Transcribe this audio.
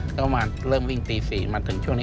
ก็ประมาณเริ่มวิ่งตี๔มาถึงช่วงนี้